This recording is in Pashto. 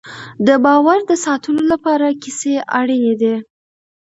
د باور د ساتلو لپاره کیسې اړینې دي.